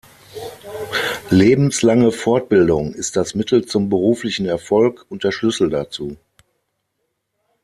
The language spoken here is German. Lebenslange Fortbildung ist das Mittel zum beruflichen Erfolg und der Schlüssel dazu.